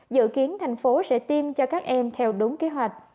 dự kiến thành phố sẽ tiêm cho các em theo đúng kế hoạch